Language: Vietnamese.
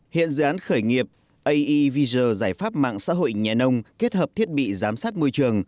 hiện dự án khởi nghiệp aevg giải pháp mạng xã hội nhẹ nông kết hợp thiết bị giám sát môi trường